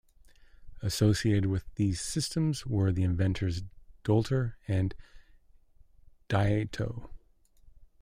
Associated with these systems were the inventors Dolter and Diatto.